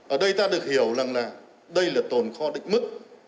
ở đây ta được hiểu rằng là đây là tồn kho định mức